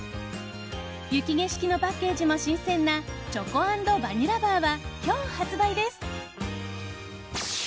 雪景色のパッケージも新鮮なチョコ＆バニラバーは今日発売です。